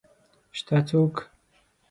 شته څوک؟